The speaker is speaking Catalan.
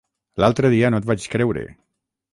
L'altre dia no et vaig creure.